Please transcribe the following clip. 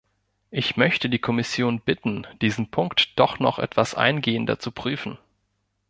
Ich möchte die Kommission bitten, diesen Punkt doch noch etwas eingehender zu prüfen.